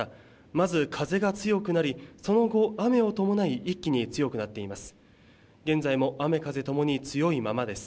まず風が強くなり、その後、雨を伴い、一気に強くなっています。